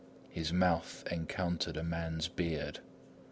His mouth encountered a man's beard.